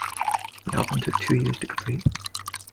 The album took two years to complete.